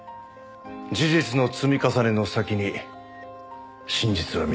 事実の積み重ねの先に真実は見つかる。